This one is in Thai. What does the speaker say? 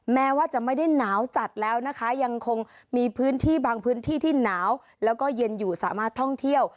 แม้ว่าจะไม่ได้หนาวจัดแล้วนะคะยังคงมีพื้นที่บางพื้นที่ที่หนาวแล้วก็เย็นอยู่สามารถท่องเที่ยว